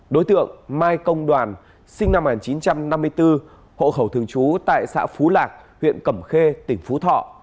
đối tượng mai công đoàn sinh năm một nghìn chín trăm năm mươi bốn hộ khẩu thường trú tại xã phú lạc huyện cẩm khê tỉnh phú thọ